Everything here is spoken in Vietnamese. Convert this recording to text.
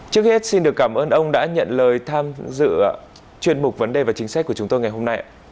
trước hết xin được cảm ơn ông đã nhận lời tham dự chuyên mục vấn đề và chính sách của chúng tôi ngày hôm nay